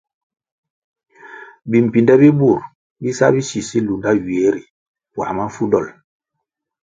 Bimbpinde bi bur bi sa bisisi lunda vih ywie ri puãh mafu dol.